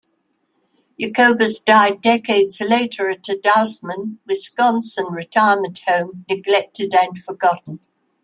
Jacobus died decades later at a Dousman, Wisconsin, retirement home, neglected and forgotten.